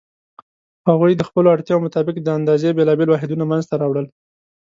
هغوی د خپلو اړتیاوو مطابق د اندازې بېلابېل واحدونه منځته راوړل.